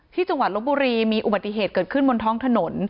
จังหวัดลบบุรีมีอุบัติเหตุเกิดขึ้นบนท้องถนน